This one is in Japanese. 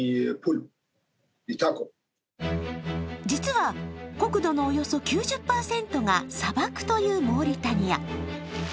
実は国土のおよそ９０％が砂漠というモーリタニア。